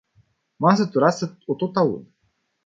M-am săturat să o tot aud.